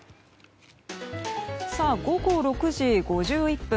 午後６時５１分。